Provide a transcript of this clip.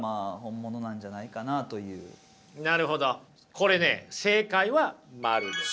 これね正解は○です。